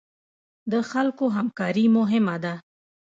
د خلکو همکاري مهمه ده